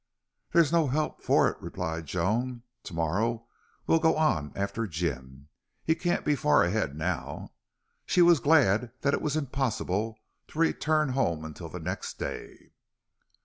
"There's no help for it," replied Joan. "Tomorrow we'll go on after Jim. He can't be far ahead now." She was glad that it was impossible to return home until the next day.